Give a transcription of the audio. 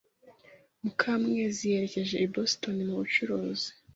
Mukamwezi yerekeje i Boston mu bucuruzi.